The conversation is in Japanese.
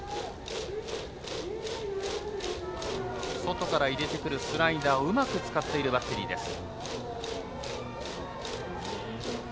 外から入れてくるスライダーをうまく使っているバッテリーです。